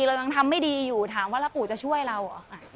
เรายังทำไม่ดีอยู่ถามว่าแล้วปู่จะช่วยเราเหรอ